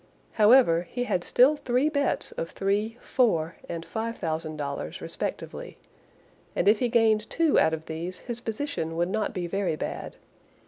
However, he had still three bets of three, four, and five thousand dollars, respectively; and if he gained two out of these, his position would not be very bad.